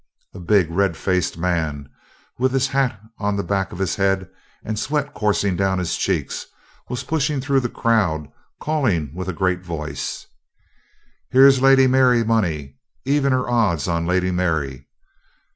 A big red faced man with his hat on the back of his head and sweat coursing down his cheeks, was pushing through the crowd calling with a great voice: "Here's Lady Mary money. Evens or odds on Lady Mary!"